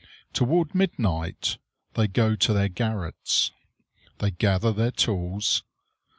Toward midnight they go to their garrets. They gather their tools.